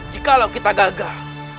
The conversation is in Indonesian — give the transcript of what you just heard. jikalau kita gagal